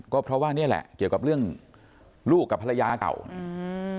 ก็เพราะว่าเนี้ยแหละเกี่ยวกับเรื่องลูกกับภรรยาเก่าอืม